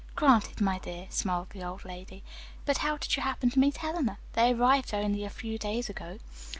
"Granted, my dear," smiled the old lady. "But how did you happen to meet Eleanor? They arrived only a few days ago."